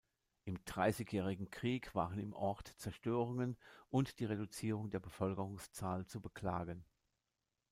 Im Dreißigjährigen Krieg waren im Ort Zerstörungen und die Reduzierung der Bevölkerungszahl zu beklagen.